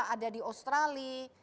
ada di australia